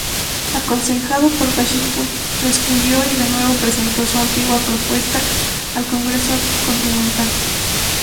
Aconsejado por Washington, reescribió y de nuevo presentó su antigua propuesta al Congreso Continental.